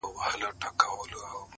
• له خوښيه ابليس وكړله چيغاره -